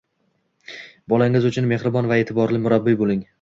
Bolangiz uchun mehribon va e’tiborli murabbiy bo‘ling